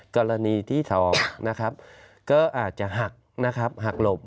กรณีที่ทองนะครับก็อาจจะหักนะครับหักหลบ